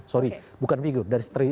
sorry bukan figur